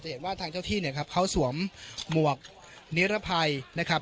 เห็นว่าทางเจ้าที่เนี่ยครับเขาสวมหมวกนิรภัยนะครับ